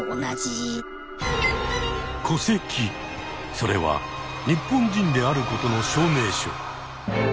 それは日本人であることの証明書。